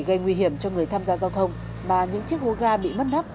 gây nguy hiểm cho người tham gia giao thông mà những chiếc hố ga bị mất nắp